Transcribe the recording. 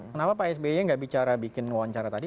kenapa pak sby nggak bicara bikin wawancara tadi